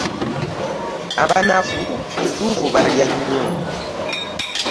Abanafu kituufu balya nnyo .